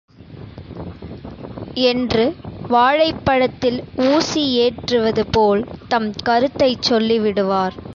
என்று வாழைப்பழத்தில் ஊசியேற்றுவது போல் தம் கருத்தைச் சொல்லிவிடுவார்.